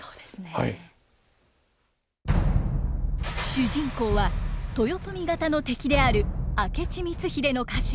主人公は豊臣方の敵である明智光秀の家臣明智左馬介。